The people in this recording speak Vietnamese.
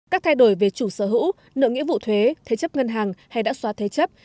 các thay đổi về chủ sở hữu nợ nghĩa vụ thuế thế chấp ngân hàng hay đã xóa thế chấp